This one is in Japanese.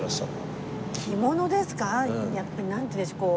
やっぱりなんていうんでしょうこう。